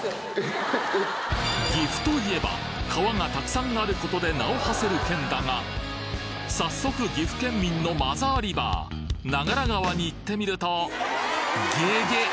岐阜といえば川がたくさんあることで名を馳せる県だが早速岐阜県民のマザーリバー長良川に行ってみるとげげっ！